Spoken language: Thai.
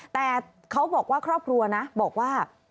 แต่เขาบอกว่าครอบครัวนะบอกว่า